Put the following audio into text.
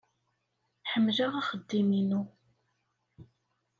Ḥemmleɣ axeddim-inu.